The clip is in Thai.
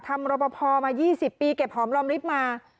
ทำรบพอมา๒๐ปีเก็บหอมรอบลิฟต์มา